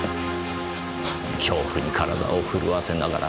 恐怖に体を震わせながら。